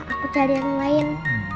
aku cari yang lain